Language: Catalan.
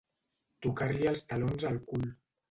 Tocar-li els talons al cul.